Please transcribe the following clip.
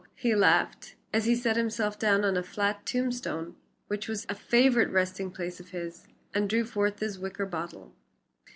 he laughed, as he set himself down on a flat tombstone, which was a favorite resting place of his, and drew forth his wicker bottle.